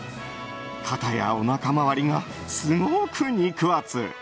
肩やおなか回りがすごく肉厚。